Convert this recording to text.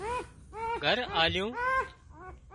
گھر آليُون